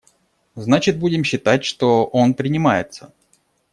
Значит, будем считать, что он принимается.